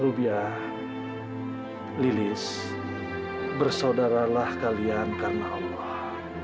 lilis bersaudaralah kalian karena allah